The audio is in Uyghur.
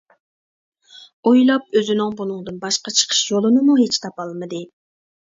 ئويلاپ ئۆزىنىڭ بۇنىڭدىن باشقا چىقىش يولىنىمۇ ھېچ تاپالمىدى.